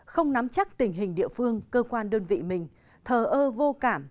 không nắm chắc tình hình địa phương cơ quan đơn vị mình thờ ơ vô cảm